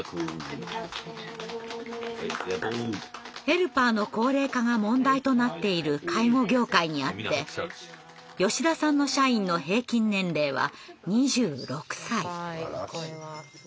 ヘルパーの高齢化が問題となっている介護業界にあって吉田さんの社員の平均年齢は２６歳。